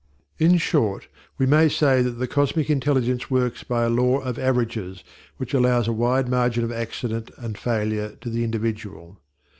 In short, we may say that the cosmic intelligence works by a Law of Averages which allows a wide margin of accident and failure to the individual.